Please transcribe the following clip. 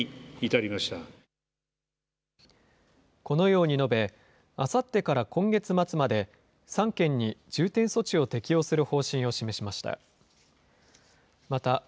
このように述べ、あさってから今月末まで、３県に重点措置を適用する方針を示しました。